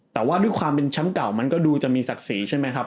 แต่ว่าด้วยความเป็นแชมป์เก่ามันก็ดูจะมีศักดิ์ศรีใช่ไหมครับ